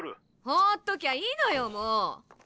放っときゃいいのよもう！